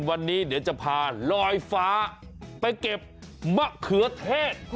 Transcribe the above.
วันนี้เดี๋ยวจะพาลอยฟ้าไปเก็บมะเขือเทศ